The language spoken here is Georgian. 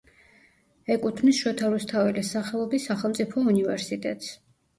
ეკუთვნის შოთა რუსთაველის სახელობის სახელმწიფო უნივერსიტეტს.